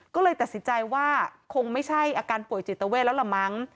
ก็เลยตัดสินใจว่าคงไม่ใช่อาการป่วยจิตเวทแล้วล่ะมั้ง